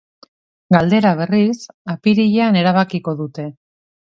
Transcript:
Galdera, berriz, apirilean erabakiko dute.